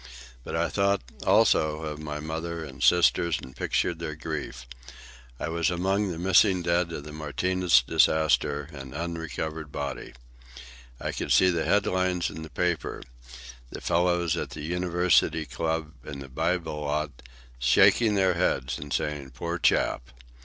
But I thought, also, of my mother and sisters, and pictured their grief. I was among the missing dead of the Martinez disaster, an unrecovered body. I could see the head lines in the papers; the fellows at the University Club and the Bibelot shaking their heads and saying, "Poor chap!"